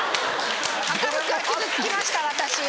赤福は傷つきました私。